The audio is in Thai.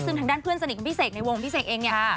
ซึ่งทางด้านเพื่อนสนิทของพี่เสกในวงของพี่เสกเองเนี่ย